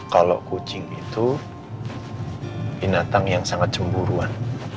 kalau kucing itu binatang yang sangat cemburuan